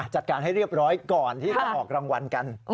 จัดการให้เรียบร้อยก่อนที่จะออกรางวัลกัน